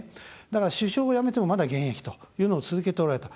だから、首相を辞めてもまだ現役というのを続けておられた。